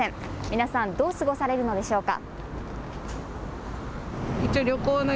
皆さん、どう過ごされるのでしょうか。